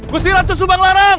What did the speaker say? gusti ratu subanglarang